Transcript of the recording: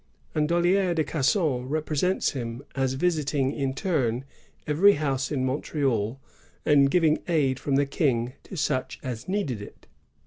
And Dollier de Casson represents him as visiting in turn evenr house at Mont^al, and giving aid from the King to such a. needed it.